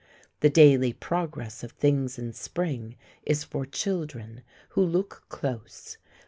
The daily progress of things in Spring is for children, who look close.